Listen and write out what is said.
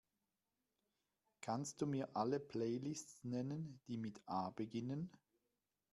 Kannst Du mir alle Playlists nennen, die mit A beginnen?